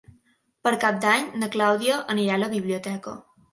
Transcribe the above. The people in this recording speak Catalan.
Per Cap d'Any na Clàudia anirà a la biblioteca.